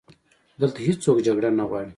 دلته هیڅوک جګړه نه غواړي